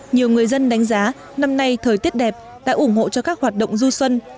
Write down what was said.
nhiều người dân đánh giá năm nay thời tiết đẹp đã ủng hộ cho các hoạt động du xuân